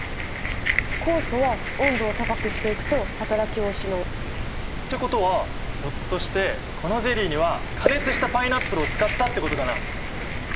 酵素は温度を高くしていくとはたらきを失う。ってことはひょっとしてこのゼリーには加熱したパイナップルを使ったってことかな？